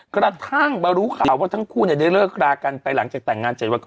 กระทั่งมารู้ข่าวว่าทั้งคู่ได้เลิกรากันไปหลังจากแต่งงาน๗วัน